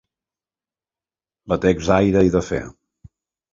Batecs d’aire i de fe.